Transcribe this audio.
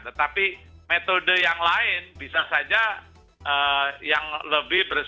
tetapi metode yang lain bisa saja yang lebih bersih